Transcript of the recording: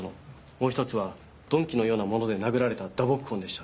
もう１つは鈍器のようなもので殴られた打撲痕でした。